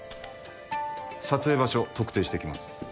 撮影場所特定してきます。